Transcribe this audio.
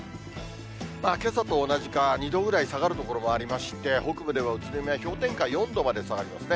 けさと同じか、２度ぐらい下がる所もありまして、北部では宇都宮、氷点下４度まで下がりますね。